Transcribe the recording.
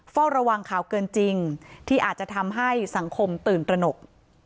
เฝ้าระวังข่าวเกินจริงที่อาจจะทำให้สังคมตื่นตระหนก